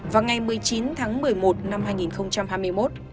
vào ngày một mươi chín tháng một mươi một năm hai nghìn hai mươi một